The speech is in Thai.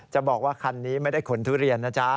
จะบอกว่าคันนี้ไม่ได้ขนทุเรียนนะจ๊ะ